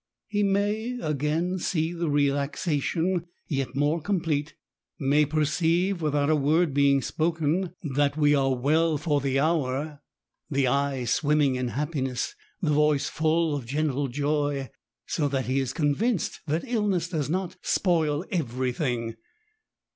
He may, again, see the relaxation yet more complete, — may perceive, without a word being spoken, that we are well 160 E8SATS. for the hour, — ^the eye swimming in happiness, the voice full of gentle joy ; so that he is con vinced that iUness does not " spoil everything."